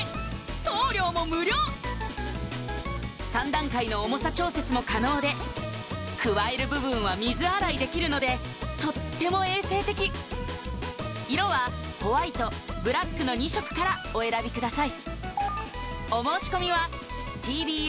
送料も無料３段階の重さ調節も可能でくわえる部分は水洗いできるのでとっても衛生的色はホワイトブラックの２色からお選びください